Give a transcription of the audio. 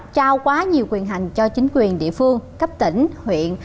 trao quá nhiều quyền hành cho chính quyền địa phương cấp tỉnh huyện